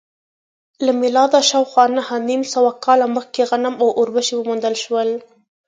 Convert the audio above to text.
له میلاده شاوخوا نهه نیم سوه کاله مخکې غنم او اوربشې وموندل شول